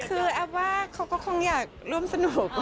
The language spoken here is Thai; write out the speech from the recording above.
คือแอฟว่าเขาก็คงอยากร่วมสนุก